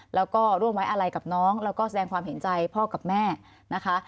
แล้วก็ร่วมไว้อะไรกับน้องแล้วก็แสดงความเห็นใจพ่อกับแม่นะคะ